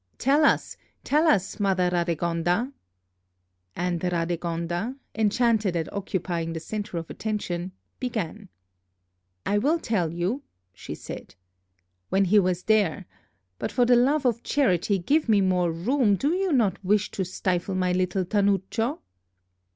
"Tell us, tell us, Mother Radegonda." And Radegonda, enchanted at occupying the centre of attention, began. "I will tell you," she said. "When he was there but for the love of charity, give me more room; you do not wish to stifle my little Tanuccio?